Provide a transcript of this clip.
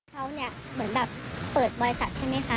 เขาเนี่ยเหมือนแบบเปิดบริษัทใช่ไหมคะ